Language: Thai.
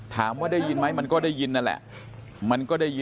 ถามว่าได้ยินไหมมันก็ได้ยินนั่นแหละ